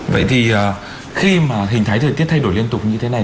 vậy thì khi mà hình thái thời tiết thay đổi liên tục như thế này